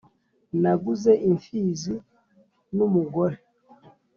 naguze imfizi n’umugore